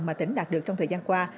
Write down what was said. mà tỉnh đạt được trong thời gian qua